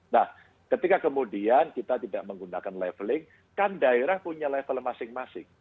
nah ketika kemudian kita tidak menggunakan leveling kan daerah punya level masing masing